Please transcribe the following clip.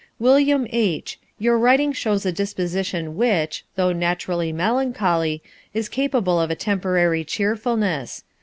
"William H. Your writing shows a disposition which, though naturally melancholy, is capable of a temporary cheerfulness.